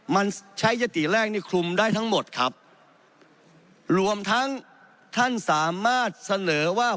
มันใช้ยติแรกนี่คลุมได้ทั้งหมดครับรวมทั้งท่านสามารถเสนอว่า